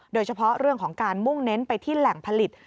โดยเฉพาะเรื่องของการมุ่งเน้นไปที่แหล่งผลิต